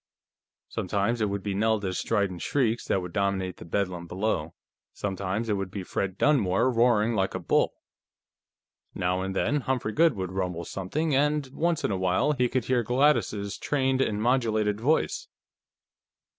Sometimes it would be Nelda's strident shrieks that would dominate the bedlam below; sometimes it would be Fred Dunmore, roaring like a bull. Now and then, Humphrey Goode would rumble something, and, once in a while, he could hear Gladys's trained and modulated voice.